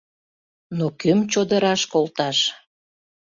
Но кӧм чодыраш колташ?